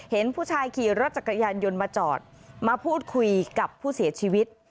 เห็นผู้ชายขี่รถจักรยานยนต์มาจอดมาพูดคุยกับผู้เสียชีวิต